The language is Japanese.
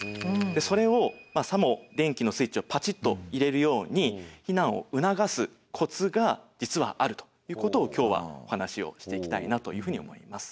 それをさも電気のスイッチをパチッと入れるように避難を促すコツが実はあるということを今日はお話をしていきたいなというふうに思います。